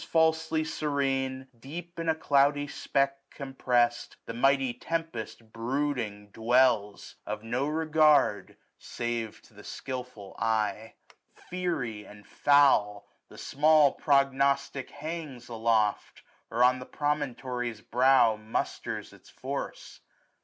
Falsely serene, deep in a cloudy speck Compress'd, the mighty tempest brooding dwells j Of no regard, save to the skilful eye. SUMMER. 87 Fiery and foul, the small prognostic hangs 990 Aloft, or on the promontory's brow Musters its force.